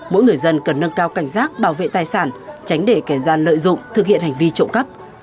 mỗi người dân cần nâng cao cảnh giác bảo vệ tài sản tránh để kẻ gian lợi dụng thực hiện hành vi trộm cắp